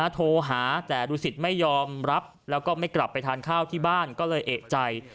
โทรหาแต่ดูสิตไม่ยอมรับแล้วก็ไม่กลับไปทานข้าวที่บ้านก็เลยเอกใจ